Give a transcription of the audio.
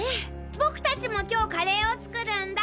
僕たちも今日カレーを作るんだ。